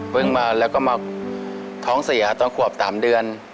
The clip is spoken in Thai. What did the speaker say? มาแล้วก็มาท้องเสียตอนขวบ๓เดือน